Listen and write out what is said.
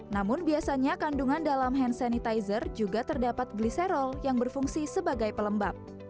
namun biasanya kandungan dalam hand sanitizer juga terdapat gliserol yang berfungsi sebagai pelembab